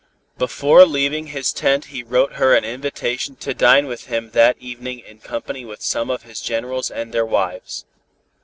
Before leaving his tent he wrote her an invitation to dine with him that evening in company with some of his generals and their wives.